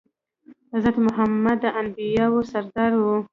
حضرت محمد د انبياوو سردار وو.